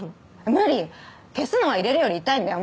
無理消すのは入れるより痛いんだよ